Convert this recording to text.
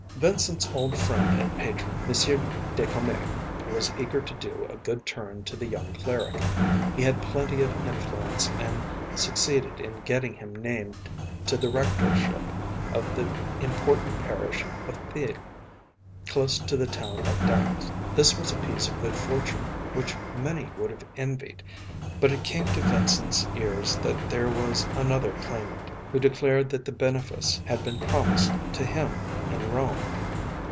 Vincent's old friend and patron, M. de Commet, was eager to do a good turn to the young cleric. He had plenty of influence and succeeded in getting him named to the rectorship of the important parish of Thil, close to the town of Dax. This was a piece of good fortune which many would have envied; but it came to Vincent's ears that there was another claimant, who declared that the benefice had been promised to him in Rome.